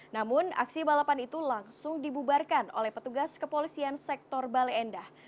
namun aksi balapan itu langsung dibubarkan oleh petugas kepolisian sektor bale endah